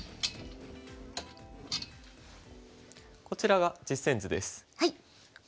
こちらが実戦図です。